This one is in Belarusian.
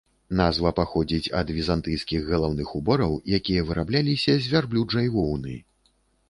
Назва паходзіць ад візантыйскіх галаўных убораў, якія вырабляліся з вярблюджай воўны.